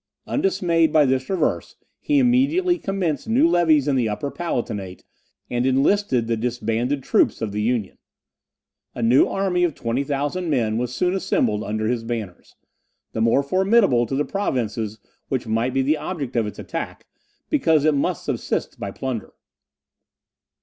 Undismayed by this reverse, he immediately commenced new levies in the Upper Palatinate, and enlisted the disbanded troops of the Union. A new army of 20,000 men was soon assembled under his banners, the more formidable to the provinces which might be the object of its attack, because it must subsist by plunder.